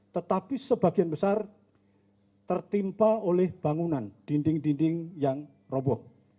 tetapi sebagian besar tertimpa oleh bangunan dinding dinding yang roboh